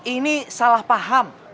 ini salah paham